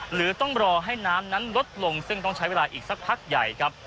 หรือต้องรอให้น้ำนั้นลดลงซึ่งต้องใช้เวลาอีกสักพักใหญ่ครับ